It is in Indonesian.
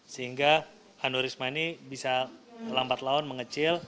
sehingga aniorisma ini bisa lambat laun mengecil